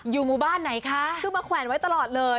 อยู่หมู่บ้านไหนคะคือมาแขวนไว้ตลอดเลย